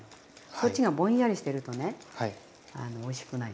そっちがぼんやりしてるとねおいしくない。